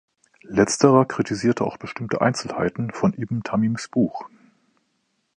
Letzterer kritisierte auch bestimmte Einzelheiten von ibn Tamims Buch.